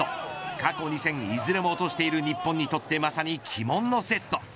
過去２戦、いずれも落としている日本にとってまさに鬼門のセット。